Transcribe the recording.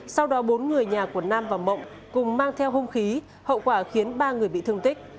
sau đó bốn người nhà của nam và mộng cùng mang theo hung khí hậu quả khiến ba người bị thương tích